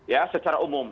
ya secara umum